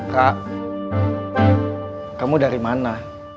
kak kamu dari mana